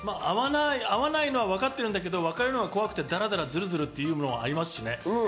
合わないのはわかってるんだけど別れるのが怖くて、だらだらずるずるっていうのはありますしね。